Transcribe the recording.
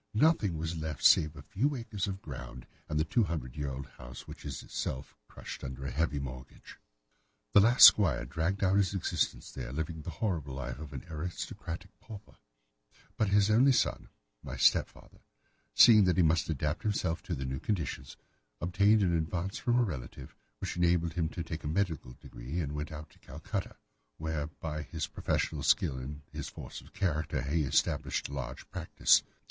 Nothing was left save a few acres of ground, and the two hundred year old house, which is itself crushed under a heavy mortgage. The last squire dragged out his existence there, living the horrible life of an aristocratic pauper; but his only son, my stepfather, seeing that he must adapt himself to the new conditions, obtained an advance from a relative, which enabled him to take a medical degree and went out to Calcutta, where, by his professional skill and his force of character, he established a large practice.